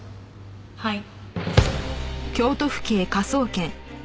はい。